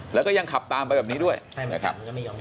แล้วก็ยังขับตามไปแบบนี้ด้วยนะครับ